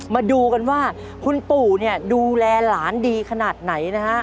มาดูกันว่าคุณปู่เนี่ยดูแลหลานดีขนาดไหนนะฮะ